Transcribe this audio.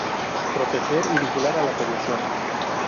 Proteger y vigilar a la población.